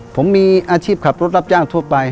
ผมมีอาชีพขับรถรับจ้างทั่วไป